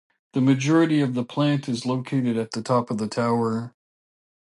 The majority of the plant is located at the top of the tower.